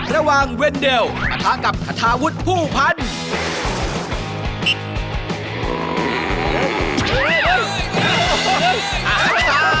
ระหว่างเวนเดลมาทางกับขทาวุธผู้พันธ์